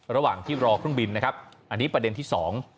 ระหว่างที่รอเครื่องบินนะครับอันนี้ประเด็นที่สอง